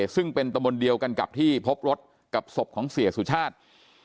ซึ่งเป็นตะมนต์เดียวกันกับที่พบรถกับศพของเสียสุชาติ